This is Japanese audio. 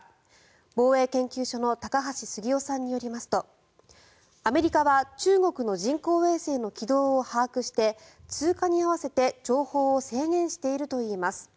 防衛研究所の高橋杉雄さんによりますとアメリカは中国の人工衛星の軌道を把握して通過に合わせて情報を制限しているといいます。